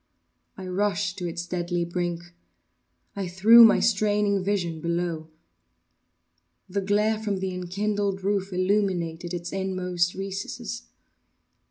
I rushed to its deadly brink. I threw my straining vision below. The glare from the enkindled roof illumined its inmost recesses.